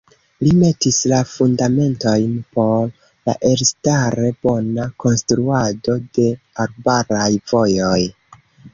Li metis la fundamentojn por la elstare bona konstruado de arbaraj vojoj.